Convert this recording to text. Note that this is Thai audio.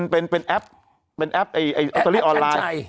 เป็นแอปกัญชัยออนไลน์